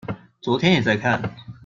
昨天也在看